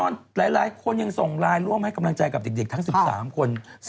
หลายคนยังส่งไลน์ร่วมให้กำลังใจกับเด็กทั้ง๑๓คน